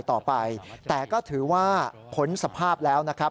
อย่างไกลต่อไปแต่ก็ถือว่าผลสภาพแล้วนะครับ